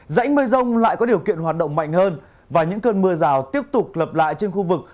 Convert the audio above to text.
dãnh mây rông lại có điều kiện hoạt động mạnh hơn và những cơn mưa rào tiếp tục lập lại trên khu vực